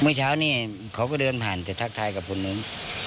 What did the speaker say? เมื่อเช้านี่เค้าก็เดินผ่านทักทายกับคนหนึ่ง